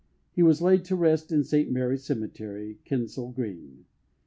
He was laid to rest in St Mary's Cemetery, Kensal Green.